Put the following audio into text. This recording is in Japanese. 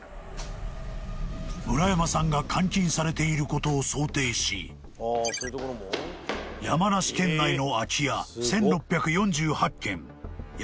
［村山さんが監禁されていることを想定し山梨県内の］